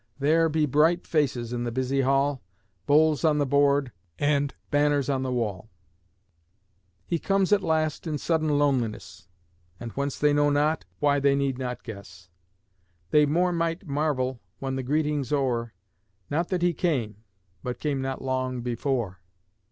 There be bright faces in the busy hall, Bowls on the board, and banners on the wall; "He comes at last in sudden loneliness, And whence they know not, why they need not guess; They more might marvel, when the greeting's o'er, Not that he came, but came not long before."